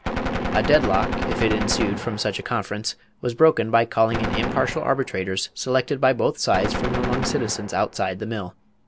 A deadlock, if it ensued from such a conference, was broken by calling in impartial arbitrators selected by both sides from among citizens outside the mill.